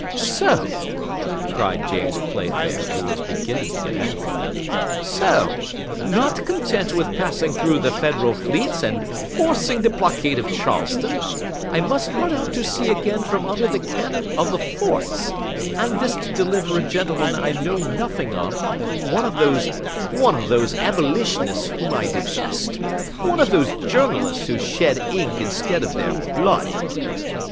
"So," cried James Playfair, who was beginning to get angry, "so, not content with passing through the Federal fleets and forcing the blockade of Charleston, I must run out to sea again from under the cannon of the forts, and this to deliver a gentleman I know nothing of, one of those Abolitionists whom I detest, one of those journalists who shed ink instead of their blood!"